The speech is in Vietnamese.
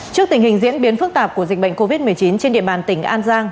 trước tình hình diễn biến phức tạp của dịch bệnh covid một mươi chín trên địa bàn tỉnh an giang